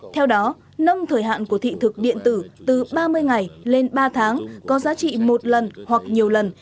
theo đó nâng thời hạn của thị thực điện tử từ ba mươi ngày lên ba tháng có giá trị một lần hoặc nhiều lần